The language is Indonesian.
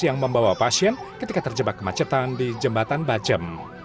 yang membawa pasien ketika terjebak kemacetan di jembatan bajem